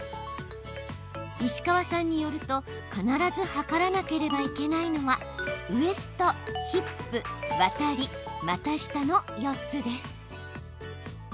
石川さんによると必ず測らなければいけないのはウエスト、ヒップワタリ、股下の４つです。